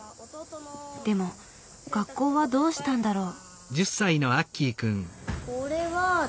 でも学校はどうしたんだろう。